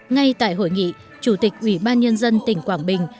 ngay tại hội nghị chủ tịch ủy ban nhân dân tỉnh quảng bình